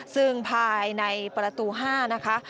ซึ่งภายในประตู๕นะคะ